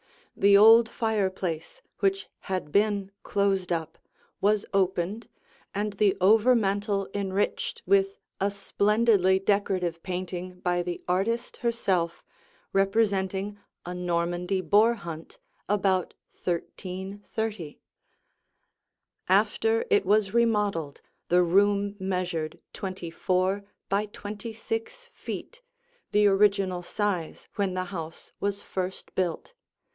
The old fireplace, which had been closed up, was opened, and the over mantel enriched with a splendidly decorative painting by the artist herself, representing a Normandy boar hunt about 1330. After it was remodeled, the room measured twenty four by twenty six feet, the original size when the house was first built.